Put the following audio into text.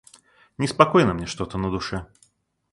Неспокойно мне что-то на душе.